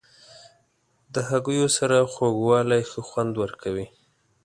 د هګیو سره خوږوالی ښه خوند ورکوي.